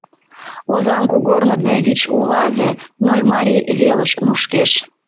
Озаҥ кугорно дене вич улазе Нольмарий велыш нушкеш.